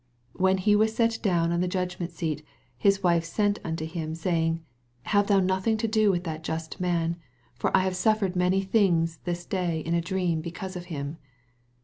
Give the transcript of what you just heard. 19 When he was set down on the judgment seat, his wife sent unto him, ■Qjmg, Have thou nothing to do with that just man; for I have suffered many thin^ this day in a dream be cause of him.